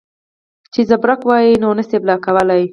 چې زبرګ وائي نور نشې بلاک کولے